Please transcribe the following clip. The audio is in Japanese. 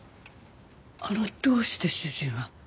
あのどうして主人は？